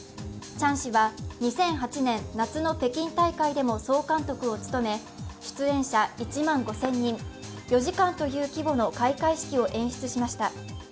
チャン氏は２００８年夏の北京大会でも総監督を務め出演者１万５０００人、４時間という規模の開会式を演出しました。